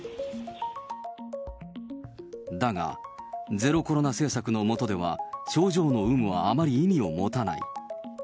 だが、ゼロコロナ政策の下では、症状の有無はあまり意味を持たない。